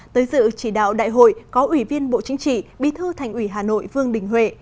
tới dự chỉ đạo đại hội có ủy viên bộ chính trị bí thư thành ủy hà nội vương đình huệ